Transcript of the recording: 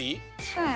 うん。